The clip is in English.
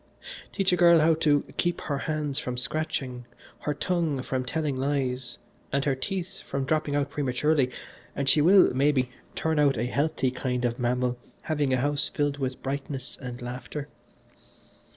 Teach a girl how to keep her hands from scratching, her tongue from telling lies, and her teeth from dropping out prematurely, and she will, maybe, turn out a healthy kind of mammal having a house filled with brightness and laughter.